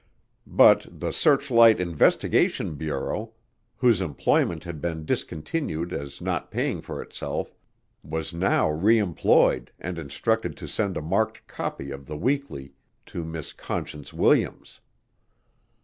But the Searchlight Investigation Bureau, whose employment had been discontinued as not paying for itself, was now re employed and instructed to send a marked copy of the weekly to Miss Conscience Williams.